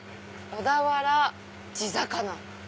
小田原地魚」。